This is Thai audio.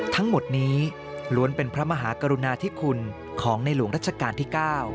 ทั้งหมดนี้ล้วนเป็นพระมหากรุณาธิคุณของในหลวงรัชกาลที่๙